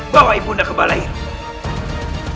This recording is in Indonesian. bawa ibu bunda ke balai rumah